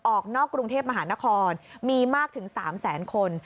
ออกนอกกรุงเทพมหานครมีมากถึง๓แสนคน